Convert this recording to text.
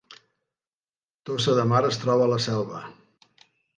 Tossa de Mar es troba a la Selva